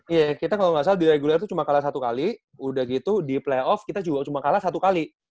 iya kita kalau nggak salah di reguler itu cuma kalah satu kali udah gitu di playoff kita juga cuma kalah satu kali